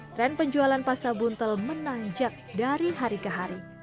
tren penjualan pasta buntel menanjak dari hari ke hari